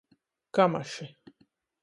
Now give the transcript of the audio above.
Kamaši.